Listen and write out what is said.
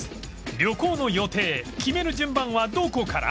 旅行の予定決める順番はどこから？